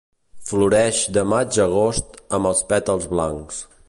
Floreix de maig a agost amb els pètals blancs.